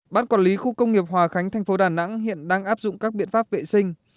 bán quản lý khu công nghiệp hòa khánh thành phố đà nẵng hiện đang áp dụng các biện pháp vệ sinh